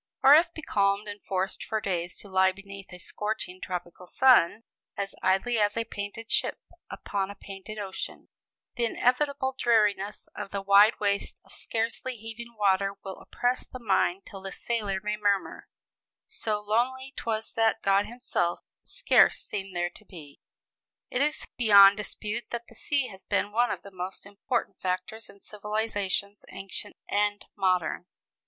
'" Or if becalmed, and forced for days to lie beneath a scorching tropical sun, "As idly as a painted ship Upon a painted ocean," the inevitable dreariness of the wide waste of scarcely heaving water will oppress the mind till the sailor may murmur: "So lonely 'twas that God himself Scarce seemed there to be." It is beyond dispute that the sea has been one of the most important factors in civilizations ancient and modern.